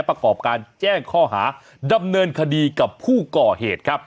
ประกอบการแจ้งข้อหาดำเนินคดีกับผู้ก่อเหตุครับ